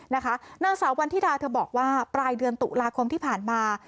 นางสาววันธิดาเธอบอกว่าปลายเดือนตุลาคมที่ผ่านมา